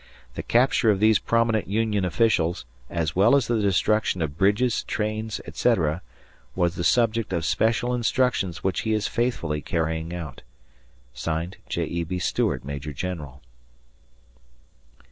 The capture of these prominent Union officials, as well as the destruction of bridges, trains, etc., was the subject of special instructions which he is faithfully carrying out. J. E. B. Stuart, Major General.